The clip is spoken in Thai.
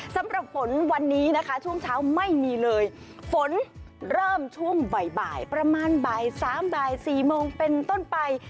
สำหรับฝนวันนี้นะคะช่วงเช้าไม่มีเลยฝนเริ่มช่วงบ่ายประมาณบ่ายสามบ่ายสี่โมงเป็นต้นไป